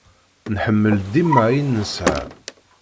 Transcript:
Nḥemmel dima ayen nesεa.